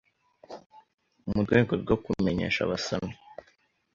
mu rwego rwo kumenyesha abasomyi